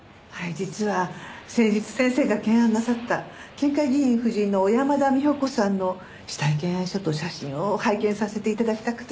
実は先日先生が検案なさった県会議員夫人の小山田美穂子さんの死体検案書と写真を拝見させて頂きたくて。